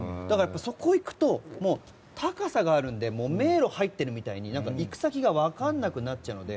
そこへ行くと高さがあるので迷路に入ってるみたいに行く先が分からなくなっちゃうので。